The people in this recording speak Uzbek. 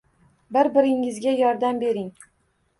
Bir-biringizga yordam bering.